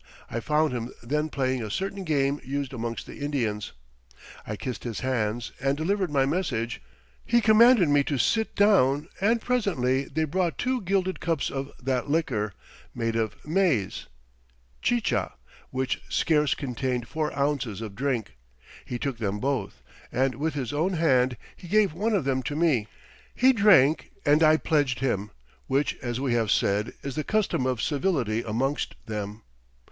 I found him then playing a certain game used amongst the Indians .... I kissed his hands, and delivered my Message; he commanded me to sit down, and presently they brought two gilded cups of that Liquor, made of Mayz [chicha] which scarce contained four ounces of Drink; he took them both, and with his own Hand he gave one of them to me; he drank, and I pledged him, which as we have said, is the custom of Civility amongst them.